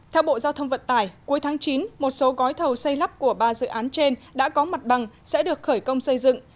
theo bộ giao thông vận tải cuối tháng chín một số gói thầu xây lắp của ba dự án trên đã có mặt bằng sẽ được khởi công xây dựng